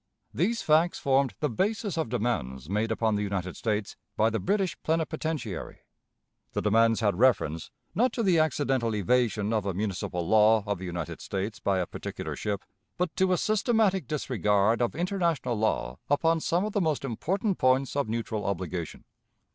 These facts formed the basis of demands made upon the United States by the British plenipotentiary. The demands had reference, not to the accidental evasion of a municipal law of the United States by a particular ship, but to a systematic disregard of international law upon some of the most important points of neutral obligation.